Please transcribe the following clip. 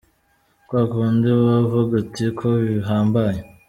Kwa kundi uba uvuga uti ‘ko bihambaye?’”.